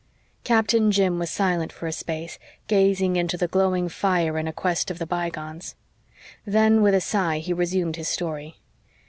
Captain Jim was silent for a space, gazing into the glowing fire in a quest of the bygones. Then, with a sigh, he resumed his story.